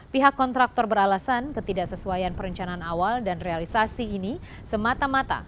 pihak kontraktor beralasan ketidaksesuaian perencanaan awal dan realisasi ini semata mata